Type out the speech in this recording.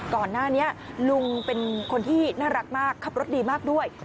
ก่อนหน้านี้ลุงเป็นคนที่น่ารักมากขับรถดีมากด้วย